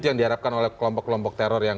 yang diharapkan oleh kelompok kelompok teror yang